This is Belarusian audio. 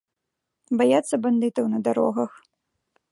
Баяцца бандытаў на дарогах.